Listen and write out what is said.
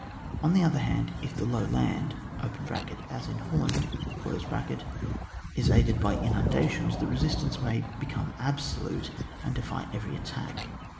On the other hand, if the low land (as in Holland) is aided by in undations, the resistance may become absolute, and defy every attack.